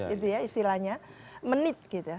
itu ya istilahnya menit gitu ya